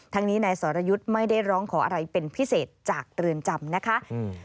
ทั้งนี้นายสรยุทธ์ไม่ได้ร้องขออะไรเป็นพิเศษจากเรือนจำนะคะอืม